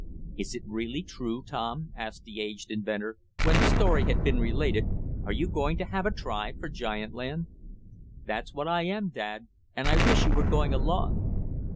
"Is it really true, Tom," asked the aged inventor, when the story had been related, "are you going to have a try for giant land?" "That's what I am, dad, and I wish you were going along."